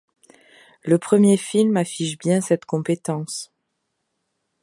Le premier film affiche bien cette compétence.